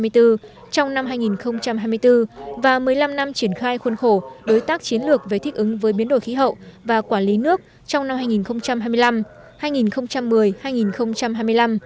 trong năm hai nghìn hai mươi bốn và một mươi năm năm triển khai khuôn khổ đối tác chiến lược về thích ứng với biến đổi khí hậu và quản lý nước trong năm hai nghìn hai mươi năm hai nghìn một mươi hai nghìn hai mươi năm